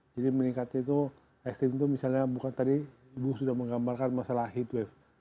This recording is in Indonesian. jadi meningkatnya itu ekstrim itu misalnya bukan tadi ibu sudah menggambarkan masalah heatwave